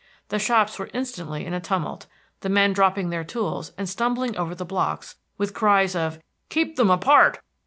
The shops were instantly in a tumult, the men dropping their tools and stumbling over the blocks, with cries of "Keep them apart!"